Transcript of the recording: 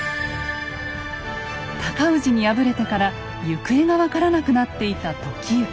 尊氏に敗れてから行方が分からなくなっていた時行。